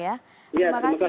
iya terima kasih